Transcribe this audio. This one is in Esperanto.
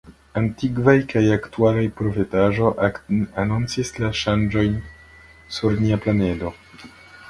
Antikvaj kaj aktualaj profetaĵoj anoncis la ŝanĝojn sur nia planedo.